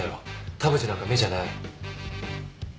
田淵なんか目じゃない。